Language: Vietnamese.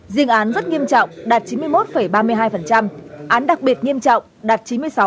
riêng án rất nghiêm trọng đạt chín mươi một ba mươi hai án đặc biệt nghiêm trọng đạt chín mươi sáu